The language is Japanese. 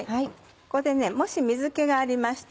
ここでもし水気がありましたら。